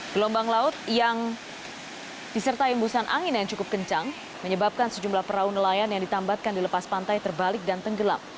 gelombang laut yang disertai embusan angin yang cukup kencang menyebabkan sejumlah perahu nelayan yang ditambatkan di lepas pantai terbalik dan tenggelam